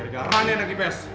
gak ada garannya nek ives